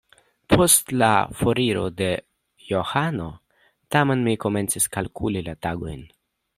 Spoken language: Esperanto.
Post la foriro de Johano tamen mi komencis kalkuli la tagojn.